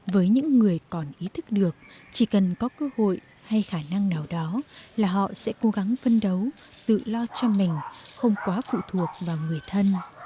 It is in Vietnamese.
với những người còn ý thức được chỉ cần có cơ hội hay khả năng nào đó là họ sẽ cố gắng phân đấu tự lo cho mình không quá phụ thuộc vào người thân